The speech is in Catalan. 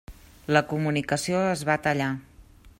La comunicació es va tallar.